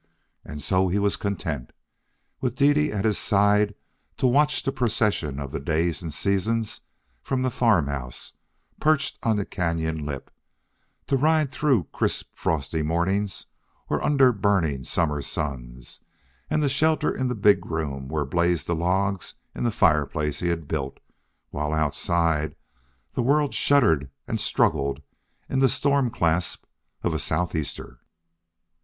And so he was content, with Dede at his side, to watch the procession of the days and seasons from the farm house perched on the canon lip; to ride through crisp frosty mornings or under burning summer suns; and to shelter in the big room where blazed the logs in the fireplace he had built, while outside the world shuddered and struggled in the storm clasp of a southeaster.